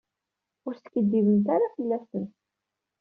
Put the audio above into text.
Ur skiddibemt ara fell-asen.